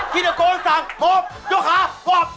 พี่นโกนสั่งโฮบโยคาวอบ